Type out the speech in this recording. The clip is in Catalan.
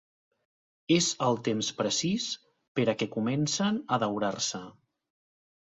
És el temps precís per a que comencen a daurar-se.